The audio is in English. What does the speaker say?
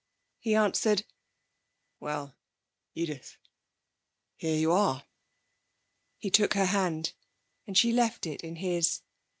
He answered: 'Well, Edith! Here you are.' He took her hand, and she left it in his.